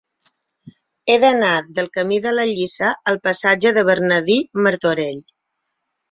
He d'anar del camí de la Lliça al passatge de Bernardí Martorell.